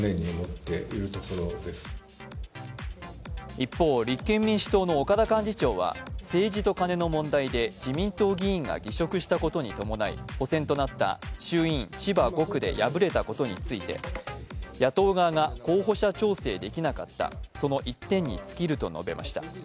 一方、立憲民主党の岡田幹事長は政治とカネの問題で自民党議員が辞職したことに伴い補選となった衆院千葉５区で敗れたことについて野党側が候補者調整できなかった、その１点につきると述べました。